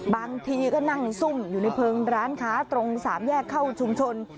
บางทีก็นั่งซุ่มอยู่ในเพลิงร้านค้าตรงสามแยกเข้าชุมชน